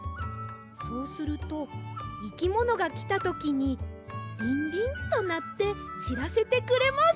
そうするといきものがきたときにリンリンとなってしらせてくれます！